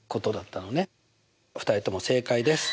２人とも正解です。